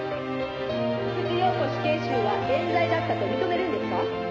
「福地陽子死刑囚は冤罪だったと認めるんですか？」